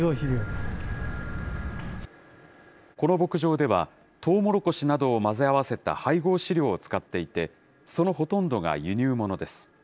この牧場では、トウモロコシなどを混ぜ合わせた配合飼料を使っていて、そのほとんどが輸入ものです。